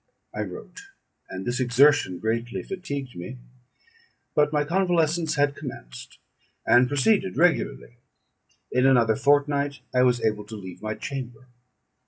I wrote, and this exertion greatly fatigued me; but my convalescence had commenced, and proceeded regularly. In another fortnight I was able to leave my chamber.